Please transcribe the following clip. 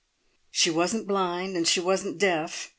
"She wasn't blind and she wasn't deaf.